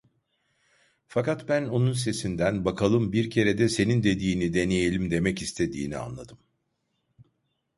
Fakat ben onun sesinden, bakalım, bir kere de senin dediğini deneyelim, demek istediğini anladım.